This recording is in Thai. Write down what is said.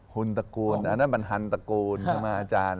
หุ่นตระกูลอันนั้นมันฮันตระกูลมาอาจารย์